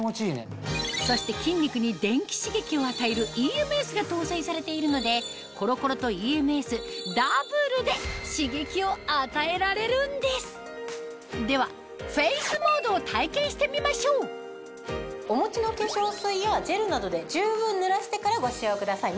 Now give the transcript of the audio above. そして筋肉に電気刺激を与えるＥＭＳが搭載されているのでコロコロとＥＭＳダブルで刺激を与えられるんですではＦａｃｅモードを体験してみましょうお持ちの化粧水やジェルなどで十分濡らしてからご使用ください。